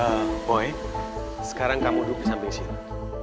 eh boy sekarang kamu duduk di samping sini